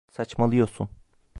Saçmalıyorsun.